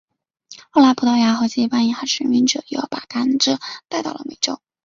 后来葡萄牙和西班牙殖民者又把甘蔗带到了美洲。